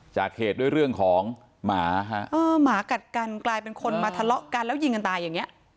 จากเหตุด้วยเรื่องของหมาฮะเออหมากัดกันกลายเป็นคนมาทะเลาะกันแล้วยิงกันตายอย่างเงี้ย